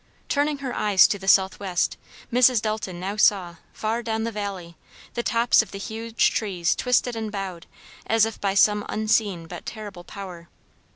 Turning her eyes to the southwest, Mrs. Dalton now saw, far down the valley, the tops of the huge trees twisted and bowed, as if by some unseen but terrible power.